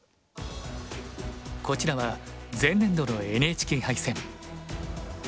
こちらは前年度のＮＨＫ杯戦。